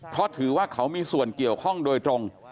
เพราะถือว่าเขามีส่วนเกี่ยวข้องโดยตรง